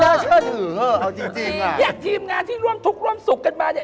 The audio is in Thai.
อยากทีมงานที่ร่วมทุกร่วมสุขกันมา